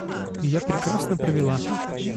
Я прекрасно провела.